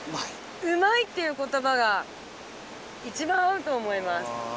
「うまい」という言葉が一番合うと思います。